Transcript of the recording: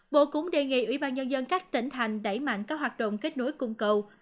bộ cũng đề nghị ủy ban nhân dân các tỉnh thành đẩy mạnh các hoạt động kết nối cung cầu